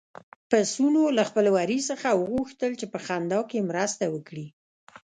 پسونو له خپل وري څخه وغوښتل چې په خندا کې مرسته وکړي.